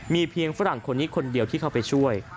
มีเพียงฝรั่งคนนี้คนเดียวที่เข้าไปช่วย